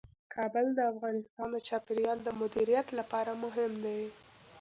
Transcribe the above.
کابل د افغانستان د چاپیریال د مدیریت لپاره مهم دي.